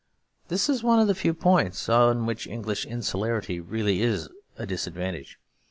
This is one of the few points on which English insularity really is a disadvantage.